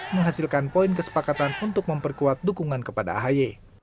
menghasilkan poin kesepakatan untuk memperkuat dukungan kepada ahy